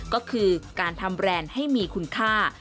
ก็คือการทำแบรนด์ให้มีคุณค่า